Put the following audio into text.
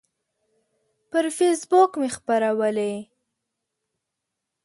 پر فیسبوک مې خپرولی